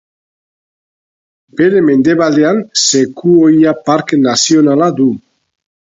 Bere mendebaldean Sekuoia Parke Nazionala du.